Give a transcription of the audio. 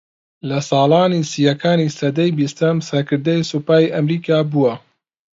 لە ساڵانی سیەکانی سەدەی بیستەم سەرکردەی سوپای ئەمریکا بووە